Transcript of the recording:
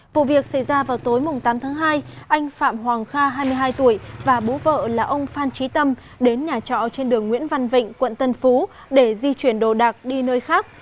vụ việc xảy ra vào tối tám tháng hai anh phạm hoàng kha hai mươi hai tuổi và bố vợ là ông phan trí tâm đến nhà trọ trên đường nguyễn văn vịnh quận tân phú để di chuyển đồ đạc đi nơi khác